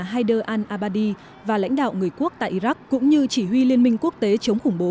hayde al abadi và lãnh đạo người quốc tại iraq cũng như chỉ huy liên minh quốc tế chống khủng bố